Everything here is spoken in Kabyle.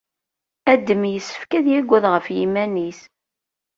Adem yessefk ad yagad ɣef yiman-is.